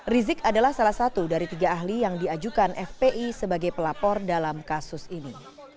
rizik adalah salah satu dari tiga ahli yang diajukan fpi sebagai pelapor dalam kasus ini